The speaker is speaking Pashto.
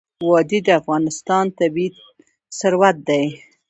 وادي د افغانستان طبعي ثروت دی.